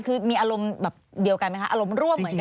คือมีอารมณ์แบบเดียวกันไหมคะอารมณ์ร่วมเหมือนกัน